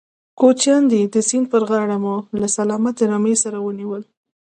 کوچيان دي، د سيند پر غاړه مو له سلامتې رمې سره ونيول.